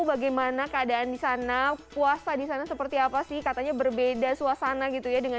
bagaimana keadaan di sana puasa di sana seperti apa sih katanya berbeda suasana gitu ya dengan